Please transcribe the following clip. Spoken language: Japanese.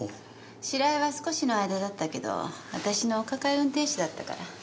白井は少しの間だったけど私のお抱え運転手だったから。